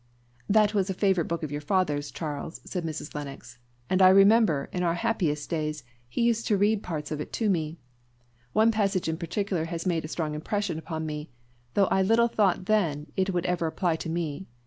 "That book was a favourite of your father's, Charles," said Mrs. Lennox, "and I remember, in our happiest days, he used to read parts of it to me. One passage in particular made a strong impression upon me, though I little thought then it would ever apply to me.